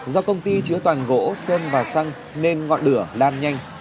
do công ty chứa toàn gỗ sơn và xăng nên ngọn lửa lan nhanh